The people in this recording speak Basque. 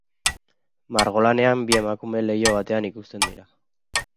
Margolanean bi emakume leiho batean ikusten dira.